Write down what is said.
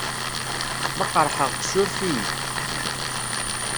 Ma qerḥeɣ-k surf-iyi.